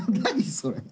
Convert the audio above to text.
それ。